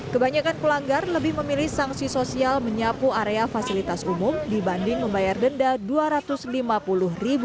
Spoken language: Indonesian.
kebanyakan pelanggar lebih memilih sanksi sosial menyapu area fasilitas umum dibanding membayar denda rp dua ratus lima puluh